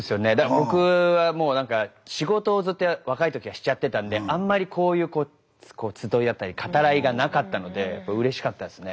僕はもう何か仕事をずっと若い時はしちゃってたんであんまりこういう集い合ったり語らいがなかったのでうれしかったですね。